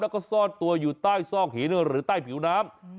แล้วก็ซ่อนตัวอยู่ใต้ซอกหินหรือใต้ผิวน้ำ